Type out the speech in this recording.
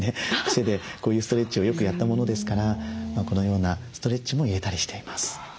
癖でこういうストレッチをよくやったものですからこのようなストレッチも入れたりしています。